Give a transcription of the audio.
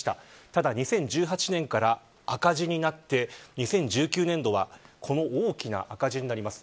ただ２０１８年から赤字になって２０１９年度はこの大きな赤字になります。